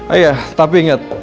ayah tapi ingat